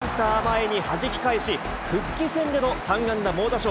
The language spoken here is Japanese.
今度はセンター前にはじき返し、復帰戦での３安打猛打賞。